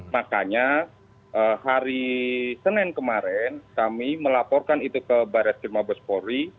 makanya hari senin kemarin kami melaporkan itu ke barat timah bespori